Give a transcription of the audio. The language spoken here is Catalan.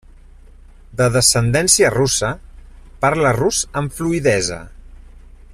De descendència russa, parla rus amb fluïdesa.